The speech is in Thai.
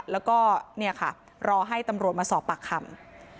แล้วก็เนี่ยค่ะรอให้ตำรวจมาสอบปากคำ